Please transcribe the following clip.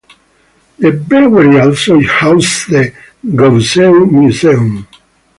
The brewery also houses the Gueuze Museum.